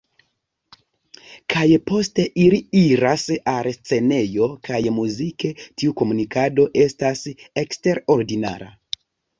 Kaj poste ili iras al scenejo kaj muzike tiu komunikado estas eksterordinara"".